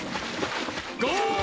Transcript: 「ゴール！」